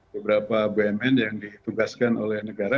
beberapa bumn yang ditugaskan oleh negara